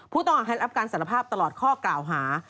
ต้องให้รับการสารภาพตลอดข้อกล่าวหา